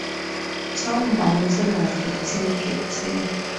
Tom Mountain was the team captain.